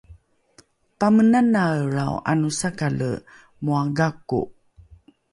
pamenanaelrao ’anosakale moa gako